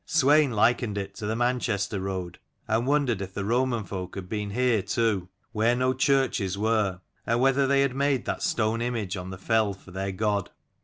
Swein likened it to the Manchester road, and wondered if the Roman folk had been here too, where no churches were, and whether they had made that stone image on the fell for their god.